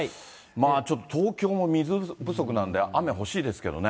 ちょっと東京も水不足なんで、雨欲しいですけどね。